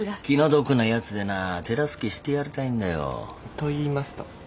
気の毒なやつでな手助けしてやりたいんだよ。といいますと？